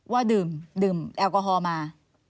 ว่าดื่มแอลกอฮอล์มา